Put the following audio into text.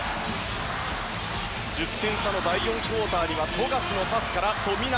１０点差の第４クオーターには富樫のパスから富永。